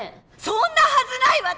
そんなはずないわ！